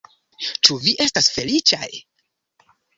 Ĉu vi estas feliĉaj?